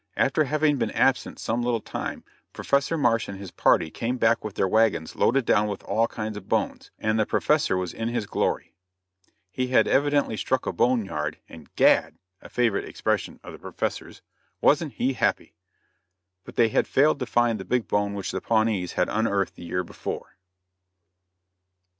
After having been absent some little time Professor Marsh and his party came back with their wagons loaded down with all kinds of bones, and the Professor was in his glory. He had evidently struck a bone yard, and "gad!"[E] wasn't he happy! But they had failed to find the big bone which the Pawnees had unearthed the year before.